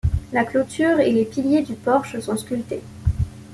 La clôture et les piliers du porche sont sculptés.